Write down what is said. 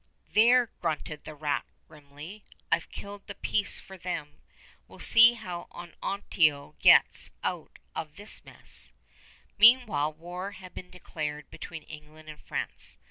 "There," grunted The Rat grimly, "I 've killed the peace for them! We 'll see how Onontio gets out of this mess." Meanwhile war had been declared between England and France.